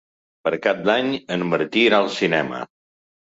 Per Cap d'Any en Martí irà al cinema.